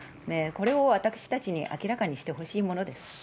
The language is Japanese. これを私たちに明らかにしてほしいものです。